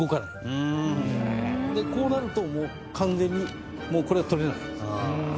でこうなると完全にもうこれは取れない。